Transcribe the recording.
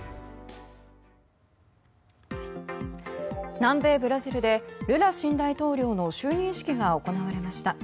南米ブラジルでルラ新大統領の就任式が行われました。